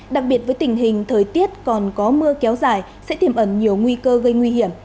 đặc biệt với tình hình thời tiết còn có mưa kéo dài sẽ tiềm ẩn nhiều nguy cơ gây nguy hiểm